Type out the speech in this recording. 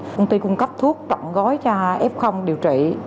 công ty cung cấp thuốc tặng gói cho f điều trị